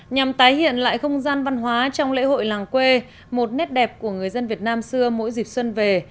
nhằm tái hiện lại không gian văn hóa trong lễ hội làng quê một nét đẹp của người dân việt nam xưa mỗi dịp xuân về